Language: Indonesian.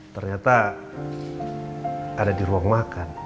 ternyata ada di ruang makan